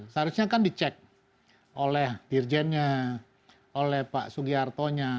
seharusnya kan dicek oleh dirjennya oleh pak sugiartonya